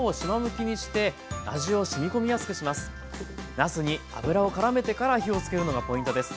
なすに油をからめてから火をつけるのがポイントです。